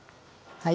はい。